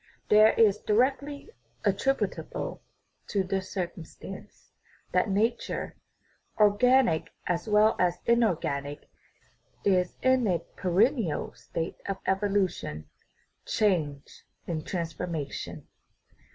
This is directly attributable to the circumstance that nature organic as well as inorganic is in a per ennial state of evolution, change, and transformation.